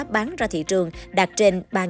bán ra thị trường đạt trên ba tấn